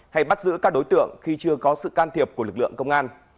hay bắt giữ các đối tượng khi chưa có sự can thiệp của lực lượng công an